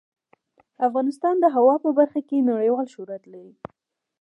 افغانستان د هوا په برخه کې نړیوال شهرت لري.